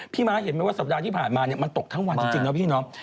ม้าเห็นไหมว่าสัปดาห์ที่ผ่านมามันตกทั้งวันจริงนะพี่น้อง